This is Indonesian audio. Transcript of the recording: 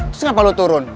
terus kenapa lo turun